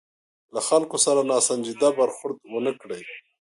له خلکو سره ناسنجیده برخورد ونه کړي.